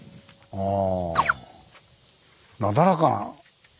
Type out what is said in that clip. ああ。